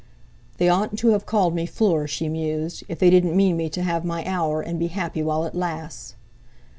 'They oughtn't to have called me Fleur,' she mused, 'if they didn't mean me to have my hour, and be happy while it lasts.'